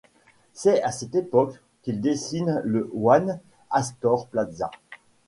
C'est à cette époque qu'il dessine le One Astor Plaza.